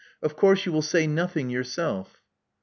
Of course you will say nothing yourself."